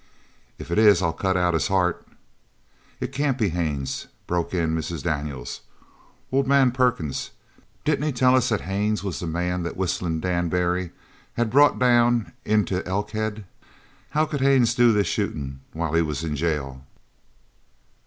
"If it is, I'll cut out his heart!" "It can't be Haines," broke in Mrs. Daniels. "Old man Perkins, didn't he tell us that Haines was the man that Whistlin' Dan Barry had brought down into Elkhead? How could Haines do this shootin' while he was in jail?"